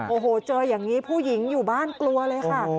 โอ้โหเจออย่างนี้ผู้หญิงอยู่บ้านกลัวเลยค่ะ